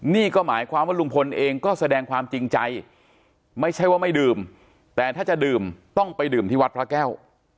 นี่ก็หมายความว่าลุงพลเองก็แสดงความจริงใจไม่ใช่ว่าไม่ดื่มแต่ถ้าจะดื่มต้องไปดื่มที่วัดพระแก้ว